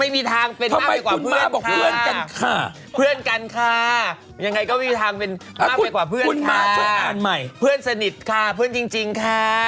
มาเกิดกว่าเพื่อนค่ะรู้ค่ะเพื่อนสนิทค่ะเพื่อนจริงค่ะบิรโดยเฉยพิกัด